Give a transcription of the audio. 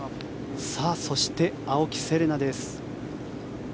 そして、青木瀬令奈です。